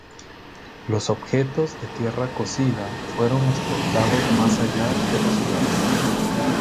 Los objetos de tierra cocida fueron exportados más allá de la ciudad.